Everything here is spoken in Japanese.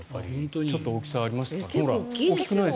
ちょっと大きさありましたから。